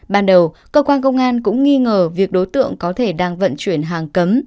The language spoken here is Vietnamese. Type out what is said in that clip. ban đầu cơ quan công an cũng nghi ngờ việc đối tượng có thể đang vận chuyển hàng cấm